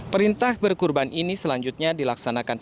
perintah berkurban ini selanjutnya dilaksanakan setiap hari